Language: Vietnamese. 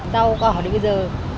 rau cỏ đến bây giờ